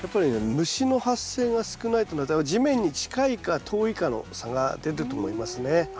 虫の発生が少ないというのは地面に近いか遠いかの差が出ると思いますね。